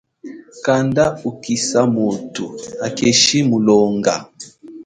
Kanda ukisa muthu hakeshi mulonga.